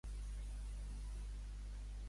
Què han fet Aznar i Iglesias?